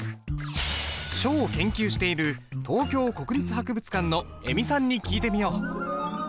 書を研究している東京国立博物館の恵美さんに聞いてみよう。